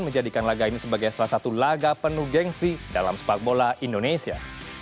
menjadikan laga ini sebagai salah satu laga penuh gengsi dalam sepak bola indonesia